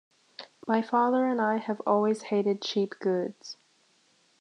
My father and I have always hated cheap goods...